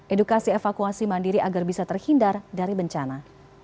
edukasi evakuasi mandiri agar bisa terhindar dari bencana